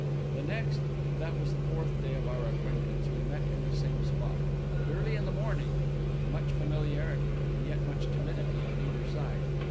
The next, and that was the fourth day of our acquaintance, we met in the same spot, but early in the morning, with much familiarity and yet much timidity on either side.